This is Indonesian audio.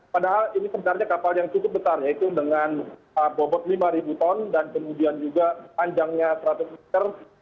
padahal ini sebenarnya kapal yang cukup besar yaitu dengan bobot lima ton dan kemudian juga panjangnya seratus meter